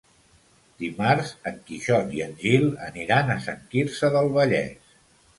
Dimarts en Quixot i en Gil aniran a Sant Quirze del Vallès.